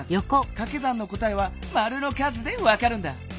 かけ算の答えはマルの数でわかるんだ。